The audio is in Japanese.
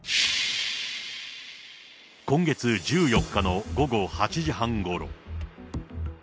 今月１４日の午後８時半ごろ。